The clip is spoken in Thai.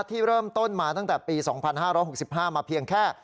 ที่เริ่มต้นมาตั้งแต่ปี๒๕๖๕มาเพียงแค่